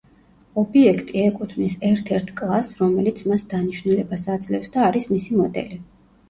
ობიექტი ეკუთვნის ერთ-ერთ კლასს რომელიც მას დანიშნულებას აძლევს და არის მისი მოდელი.